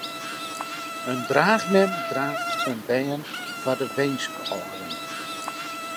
In draachmem draacht in bern foar de winskâlden.